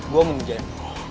gua mau ngejalan